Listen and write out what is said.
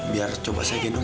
biar coba saya gendong ya non